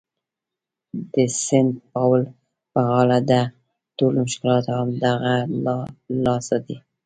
د سینټ پاول په غاړه ده، ټول مشکلات د همدغه له لاسه دي.